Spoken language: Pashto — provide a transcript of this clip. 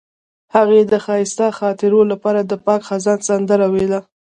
هغې د ښایسته خاطرو لپاره د پاک خزان سندره ویله.